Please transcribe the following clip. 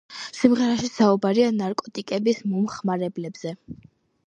სიმღერაში საუბარია ნარკოტიკების მომხმარებლებზე.